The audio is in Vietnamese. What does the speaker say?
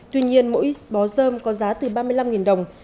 tuy nhiên mỗi bó dơm có giá từ ba mươi năm đồng